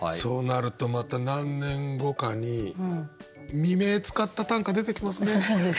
そうなるとまた何年後かに「未明」使った短歌出てきますね。